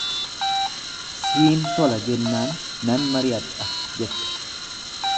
Siin tola jennaan nan mari'adha jette.